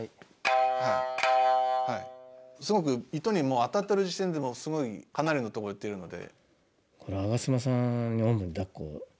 すごく糸にもう当たってる時点ですごいかなりのとこいってるので。